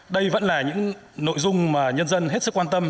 đây vẫn là những nội dung mà nhân dân hết sức quan tâm